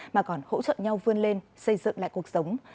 mà còn hỗ trợ nhau vươn lên xây dựng lại cuộc sống